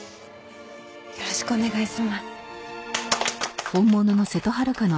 よろしくお願いします。